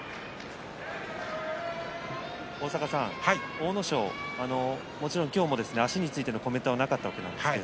阿武咲、もちろん今日も足についてのコメントはありませんでした。